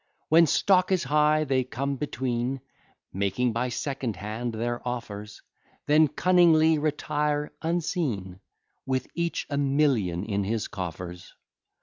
When stock is high, they come between, Making by second hand their offers; Then cunningly retire unseen, With each a million in his coffers.